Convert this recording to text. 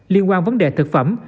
liên quan vấn đề thực phẩm